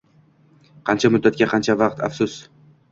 Qancha muddatga; qancha vaqt? 🤬 Afsus